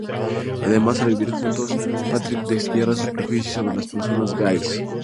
Además al vivir juntos, Patrik destierra sus prejuicios sobre las personas gais.